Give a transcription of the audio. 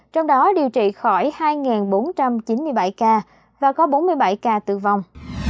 trong đó điều trị khỏi hai bốn trăm chín mươi bảy ca và có bốn mươi bảy ca tử vong